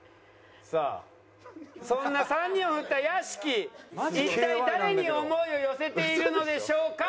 さあそんな３人をフッた屋敷一体誰に想いを寄せているのでしょうか？